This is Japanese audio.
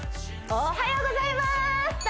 おはようございます